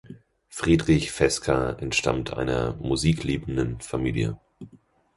Friedrich Fesca entstammt einer musikliebenden Familie.